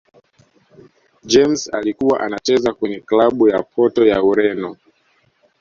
james alikuwa anacheza kwenye klabu ya porto ya ureno